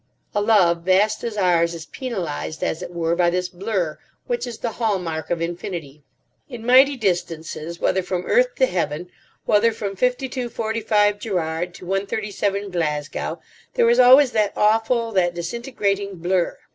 A love vast as ours is penalised, as it were, by this blur, which is the hall mark of infinity. In mighty distances, whether from earth to heaven, whether from 5245 Gerrard to 137 Glasgow, there is always that awful, that disintegrating blur.